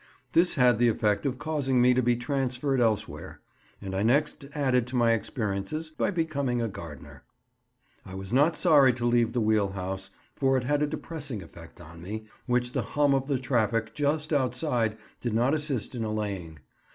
This had the effect of causing me to be transferred elsewhere, and I next added to my experiences by becoming a gardener. I was not sorry to leave the wheelhouse, for it had a depressing effect on me, which the hum of the traffic just outside did not assist in allaying.